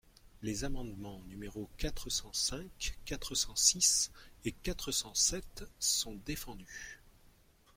Les amendements numéros quatre cent cinq, quatre cent six et quatre cent sept sont défendus.